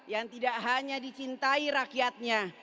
yang tidak hanya dicintai rakyatnya